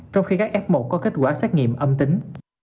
trong khi các f một có kết quả xét nghiệm âm tính